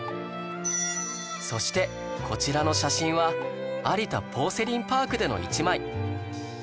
そしてこちらの写真は有田ポーセリンパークでの一枚